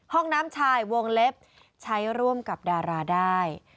ห้องน้ำชายวงเล็บใช้ร่วมกับดาราได้